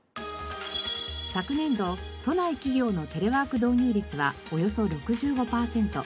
昨年度都内企業のテレワーク導入率はおよそ６５パーセント。